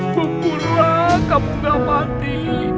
syukurlah kamu gak mati